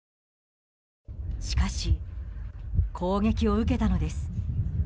しかし、攻撃を受けたのです。